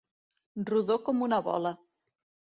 Rodó com una bola.